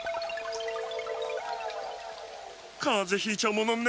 かぜひいちゃうものね。